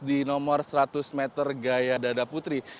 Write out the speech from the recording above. di nomor seratus meter gaya dada putri